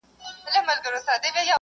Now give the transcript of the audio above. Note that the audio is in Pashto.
هر پړاو د وخت له غوښتنو سره سم دروغ لري.